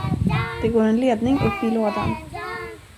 Det går en ledning upp i lådan.